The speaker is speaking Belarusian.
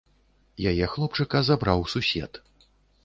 Яе хлопчыка забраў сусед.